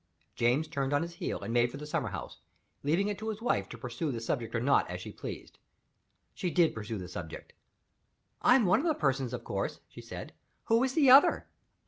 James turned on his heel, and made for the summer house, leaving it to his wife to pursue the subject or not as she pleased. She did pursue the subject. "I am one of the persons, of course," she said. "Who is the other?"